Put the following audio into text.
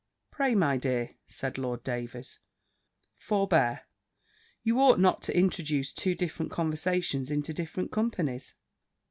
"Pray, my dear," said Lord Davers, "forbear: you ought not to introduce two different conversations into different companies."